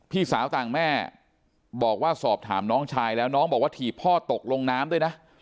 พี่สาวต่างแม่บอกว่าสอบถามน้องชายแล้วน้องบอกว่าถีบพ่อตกลงน้ำด้วยนะ